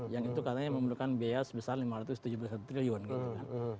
yang itu katanya memerlukan biaya sebesar lima ratus tujuh puluh satu triliun gitu kan